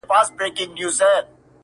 ته خيالوره!! لکه مرغۍ د هوا!!